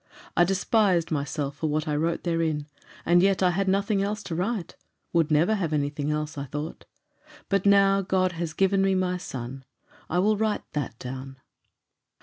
I despised myself for what I wrote therein; and yet I had nothing else to write would never have anything else, I thought. But now God has given me my son. I will write that down."